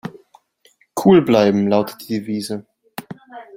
Cool bleiben lautet die Devise.